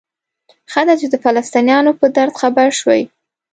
ښه ده چې د فلسطینیانو په درد خبر شوئ.